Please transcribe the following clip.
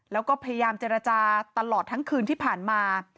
แล้วก็พยายามเจรจาตลอดทั้งคืนที่ผ่านมา